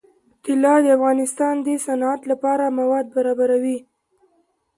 طلا د افغانستان د صنعت لپاره مواد برابروي.